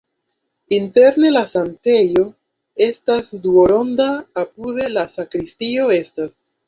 Interne la sanktejo estas duonronda, apude la sakristio estas.